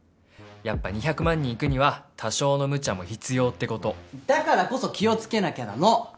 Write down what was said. やっぱ２００万人いくには多少のむちゃも必要ってことだからこそ気をつけなきゃなの！